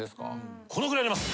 このぐらいあります。